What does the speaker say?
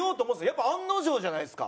やっぱ案の定じゃないですか。